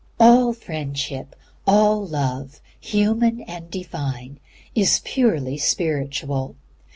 All friendship, all love, human and Divine, is purely spiritual.